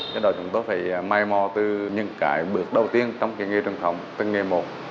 thế đó chúng tôi phải may mò từ những cái bước đầu tiên trong cái nghề truyền thống từ nghề một